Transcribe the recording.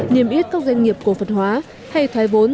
niêm yết các doanh nghiệp cổ phần hóa hay thoái vốn